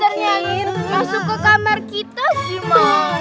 kalau monsternya masuk ke kamar kita gimana